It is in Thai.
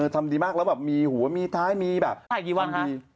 ถ่ายกี่วัน